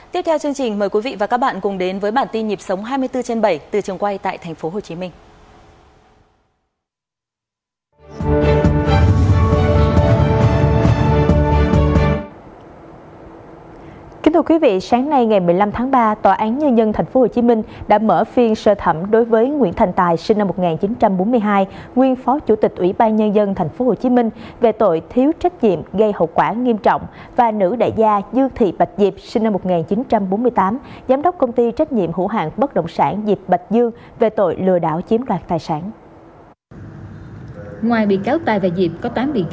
tiếp theo chương trình mời quý vị và các bạn cùng đến với bản tin nhịp sống hai mươi bốn trên bảy từ trường quay tại tp hcm